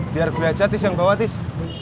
biar gue aja tis yang bawa tis